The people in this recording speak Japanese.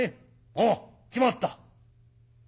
「ああ決まった」。